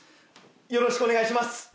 よろしくお願いします！